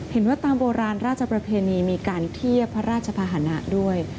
เห็นว่าตามโบราณราชประเพณีมีการเทียบพระราชภาษณะด้วย